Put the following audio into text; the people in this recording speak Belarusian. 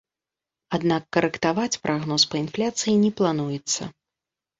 Аднак карэктаваць прагноз па інфляцыі не плануецца.